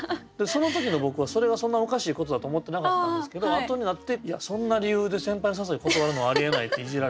その時の僕はそれがそんなおかしいことだと思ってなかったんですけどあとになってそんな理由で先輩の誘いを断るのはありえないっていじられて。